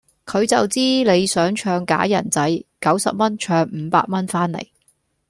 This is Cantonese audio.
佢就知你想唱假人仔，九十蚊唱五百蚊番嚟